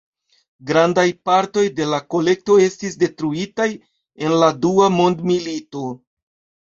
Grandaj partoj de la kolekto estis detruitaj en la dua mondmilito.